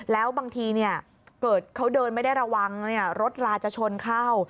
แล้วบางทีเกิดเขาเดินไม่ได้ระวังรถราจะชนเข้า